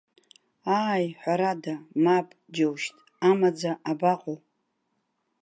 Ааи, ҳәарада, мап, џьоушьҭ, амаӡа абаҟоу.